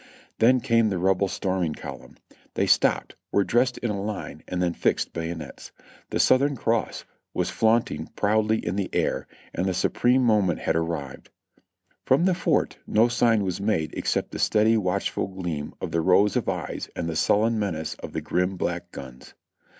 Then came the Rebel storming column ; they stopped, were dressed in a line and then fixed bayonets. The Southern Cross was flaunting proudly in the air, and the supreme moment had arrived. From the fort no sign was made except the steady, watchful gleam of the row of eyes and the sullen menace of the grim black guns.